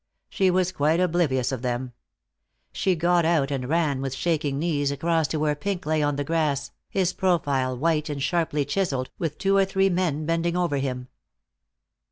She was quite oblivious of them. She got out and ran with shaking knees across to where Pink lay on the grass, his profile white and sharply chiseled, with two or three men bending over him.